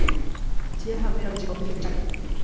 Tia hamira vijiko mbili vya chai